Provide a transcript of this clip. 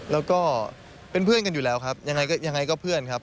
แล้วก็เป็นเพื่อนกันอยู่แล้วครับยังไงก็ยังไงก็เพื่อนครับ